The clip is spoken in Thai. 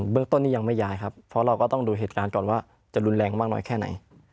เรื่องต้นนี้ยังไม่ย้ายครับเพราะเราก็ต้องดูเหตุการณ์ก่อนว่าจะรุนแรงมากน้อยแค่ไหน